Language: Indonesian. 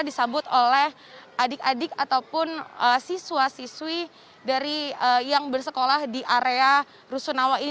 disambut oleh adik adik ataupun siswa siswi dari yang bersekolah di area rusunawa ini